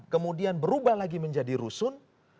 kemudian berubah lagi menjadi rusun